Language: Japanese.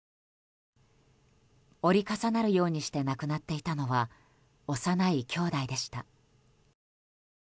折り重なるようにして亡くなっていたのは幼いきょうだいでした。